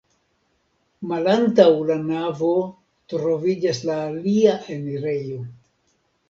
Malantaŭ la navo troviĝas la alia enirejo.